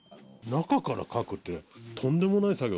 中から描くってとんでもない作業。